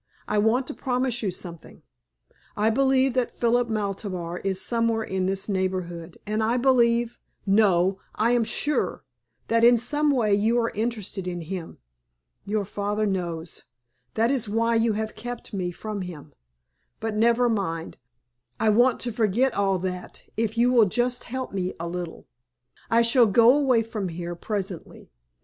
I want to promise you something. I believe that Philip Maltabar is somewhere in this neighborhood, and I believe no, I am sure that in some way you are interested in him. Your father knows. That is why you have kept me from him. But never mind, I want to forget all that if you will just help me a little. I shall go away from here, presently.